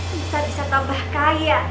kita bisa tambah kaya